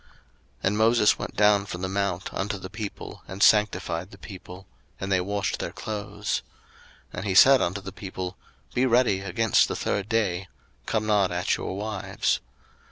02:019:014 And Moses went down from the mount unto the people, and sanctified the people; and they washed their clothes. 02:019:015 And he said unto the people, Be ready against the third day: come not at your wives.